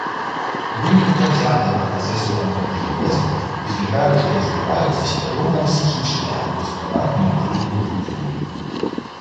У выніку працяглага працэсу антрапагенезу узнікаюць і развіваюцца свядомае псіхічнае адлюстраванне і дзейнасць людзей.